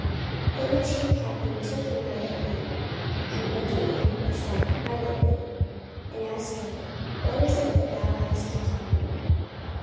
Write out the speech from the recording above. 44:023:019 Then the chief captain took him by the hand, and went with him aside privately, and asked him, What is that thou hast to tell me?